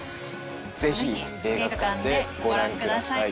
ぜひ映画館でご覧ください。